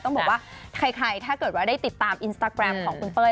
ต้องบอกว่าใครถ้าเกิดว่าได้ติดตามอินสตาแกรมของคุณเป้ย